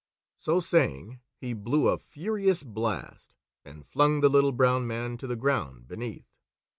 So saying, he blew a furious blast and flung the Little Brown Man to the ground beneath.